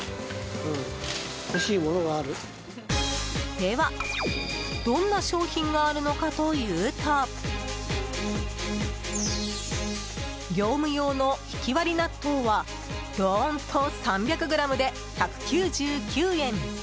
では、どんな商品があるのかというと業務用のひきわり納豆はドーンと３００ｇで１９９円。